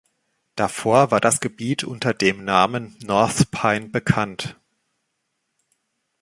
Davor war das Gebiet unter dem Namen North Pine bekannt.